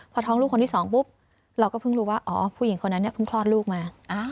พอท้องลูกคนที่สองปุ๊บเราก็เพิ่งรู้ว่าอ๋อผู้หญิงคนนั้นเนี่ยเพิ่งคลอดลูกมา